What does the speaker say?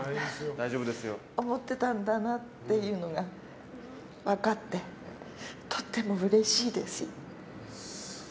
思ってたんだなっていうのが分かってとてもうれしいです。